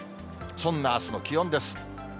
そんなあすの気温です。